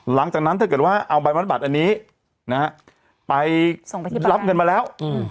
หลังจากนั้นถ้าเกิดว่าเอาใบบัตรอันนี้ไปรับเงินมาแล้ว